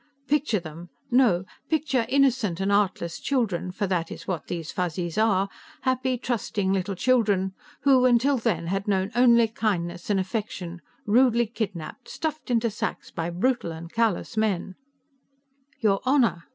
Picture them no, picture innocent and artless children, for that is what these Fuzzies are, happy trusting little children, who, until then, had known only kindness and affection rudely kidnapped, stuffed into sacks by brutal and callous men " "Your Honor!"